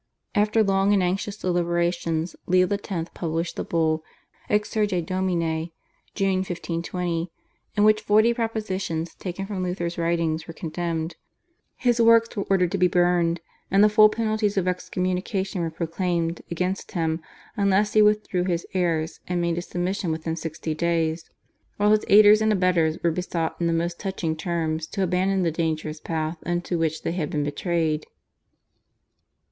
After long and anxious deliberations Leo X. published the Bull, /Exsurge Domine/ (June 1520), in which forty propositions taken from Luther's writings were condemned, his works were ordered to be burned, the full penalties of excommunication were proclaimed against him unless he withdrew his errors and made his submission within sixty days, while his aiders and abettors were besought in the most touching terms to abandon the dangerous path into which they had been betrayed.